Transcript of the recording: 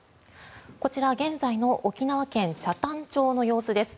こちら、現在の沖縄県北谷町の様子です。